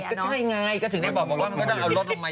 โอ้ยคุณแม่